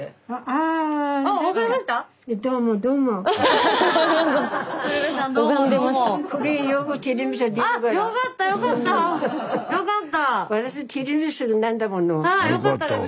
ああよかったです。